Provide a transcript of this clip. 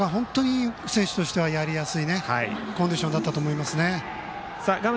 今日なんか本当に選手としてはやりやすいコンディションだったと思います。